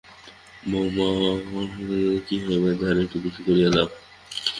বউমা, ওটুকুতে কী হইবে, আর-একটু বেশি করিয়া দাও।